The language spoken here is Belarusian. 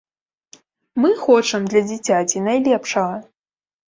Мы хочам для дзіцяці найлепшага.